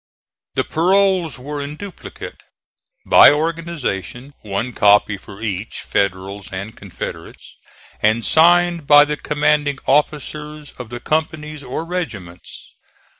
The paroles were in duplicate, by organization (one copy for each, Federals and Confederates), and signed by the commanding officers of the companies or regiments.